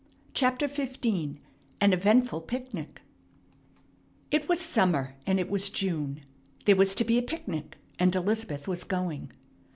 CHAPTER XV AN EVENTFUL PICNIC It was summer and it was June. There was to be a picnic, and Elizabeth was going.